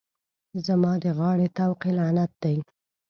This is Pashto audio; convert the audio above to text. زما د غاړې طوق لعنت دی.